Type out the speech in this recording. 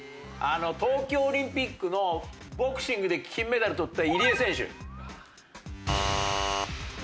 東京オリンピックのボクシングで金メダルとった。